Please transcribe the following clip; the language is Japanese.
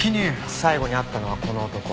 最後に会ったのはこの男。